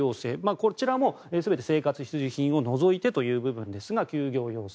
こちらも全て、生活必需品を除いてという部分ですが休業要請。